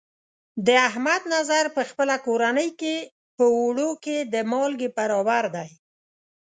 د احمد نظر په خپله کورنۍ کې، په اوړو کې د مالګې برابر دی.